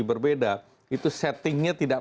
berbeda itu settingnya tidak